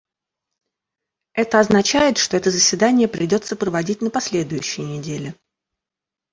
Это означает, что это заседание придется проводить на последующей неделе.